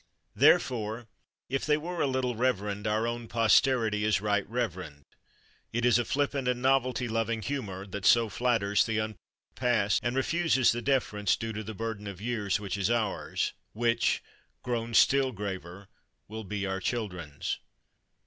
Therefore, if they were a little reverend our own posterity is right reverend. It is a flippant and novelty loving humour that so flatters the unproved past and refuses the deference due to the burden of years which is ours, which grown still graver will be our children's.